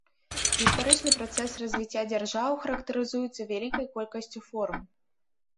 Гістарычны працэс развіцця дзяржаў характарызуецца вялікай колькасцю форм.